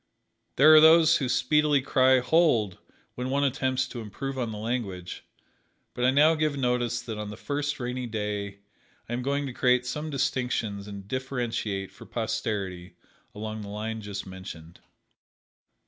There are those who speedily cry, "Hold!" when one attempts to improve on the language, but I now give notice that on the first rainy day I am going to create some distinctions and differentiate for posterity along the line just mentioned.